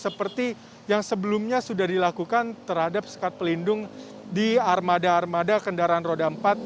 seperti yang sebelumnya sudah dilakukan terhadap sekat pelindung di armada armada kendaraan roda empat